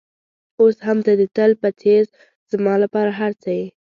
اوس هم ته د تل په څېر زما لپاره هر څه یې.